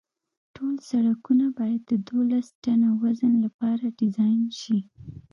ټول سرکونه باید د دولس ټنه وزن لپاره ډیزاین شي